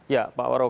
ya pak waro